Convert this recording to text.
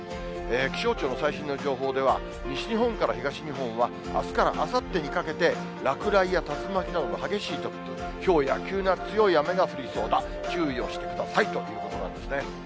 気象庁の最新の情報では、西日本から東日本は、あすからあさってにかけて、落雷や竜巻などの激しい突風、ひょうや急な強い雨が降りそうだ、注意をしてくださいということなんですね。